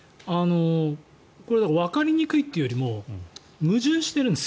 わかりにくいというよりも矛盾してるんです。